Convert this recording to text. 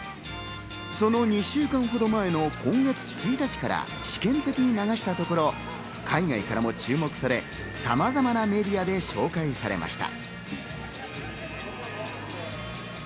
その２週間ほど前の今月１日から、試験的に流したところ海外からも注目され、さまざまなメディアで紹介されました。